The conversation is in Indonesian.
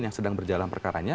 yang sedang berjalan perkaranya